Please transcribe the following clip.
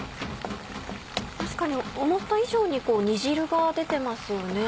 確かに思った以上に煮汁が出てますよね。